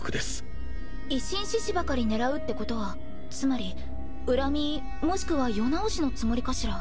維新志士ばかり狙うってことはつまり恨みもしくは世直しのつもりかしら。